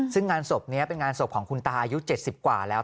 ซึ่งงานศพนี้เป็นงานศพของคุณตาอายุ๗๐กว่าแล้ว